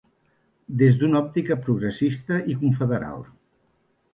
Des d’una òptica progressista i confederal.